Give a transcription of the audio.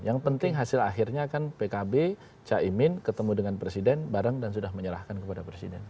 yang penting hasil akhirnya kan pkb caimin ketemu dengan presiden bareng dan sudah menyerahkan kepada presiden